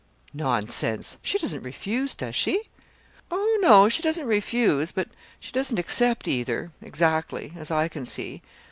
"Nonsense! She doesn't refuse, does she?" "Oh, no; she doesn't refuse but she doesn't accept either, exactly, as I can see.